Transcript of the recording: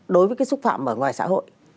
đối với cái xúc phạm ở ngoài xã hội